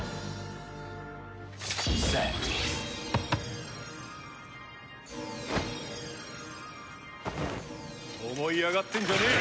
「ＳＥＴ」思い上がってんじゃねえ！